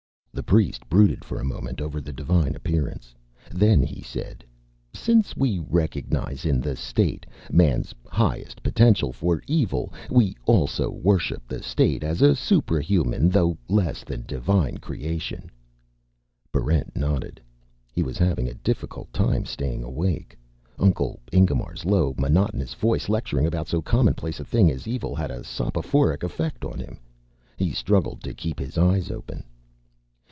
The priest brooded for a moment over the divine appearance. Then he said, "Since we recognize in the State man's highest potential for Evil, we also worship the State as a suprahuman, though less than divine, creation." Barrent nodded. He was having a difficult time staying awake. Uncle Ingemar's low, monotonous voice lecturing about so commonplace a thing as Evil had a soporific effect on him. He struggled to keep his eyes open.